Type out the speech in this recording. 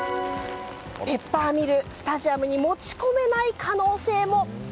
ペッパーミル、スタジアムに持ち込めない可能性も。